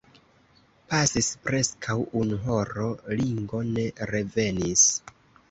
Pasis preskaŭ unu horo; Ringo ne revenis.